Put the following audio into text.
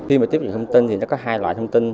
khi mà tiếp nhận thông tin thì nó có hai loại thông tin